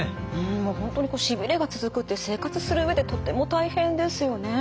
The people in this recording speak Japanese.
本当にしびれが続くって生活する上でとっても大変ですよね。